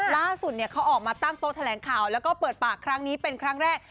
ล่าสุดเขาออกมาตั้งโต๊ะแถลงข่าวแล้วก็เปิดปากครั้งนี้เป็นครั้งแรก